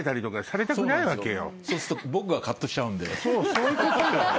そういうことよ。